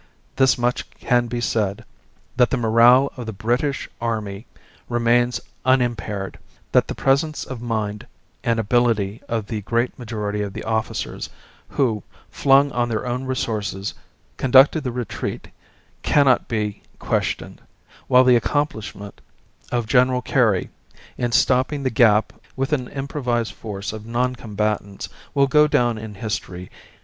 This much can be said, that the morale of the British Army remains unimpaired; that the presence of mind and ability of the great majority of the officers who, flung on their own resources, conducted the retreat, cannot be questioned; while the accomplishment of General Carey, in stopping the gap with an improvised force of non combatants, will go down in history.